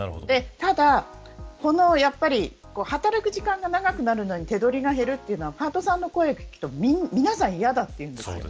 ただ、働く時間が長くなるのに手取りが減るのはパートさんの声を聞くと皆さん嫌だといいます。